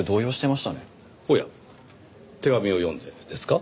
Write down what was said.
おや手紙を読んでですか？